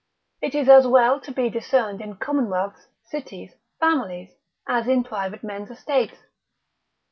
It is as well to be discerned in commonwealths, cities, families, as in private men's estates.